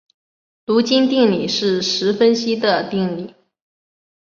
卢津定理是实分析的定理。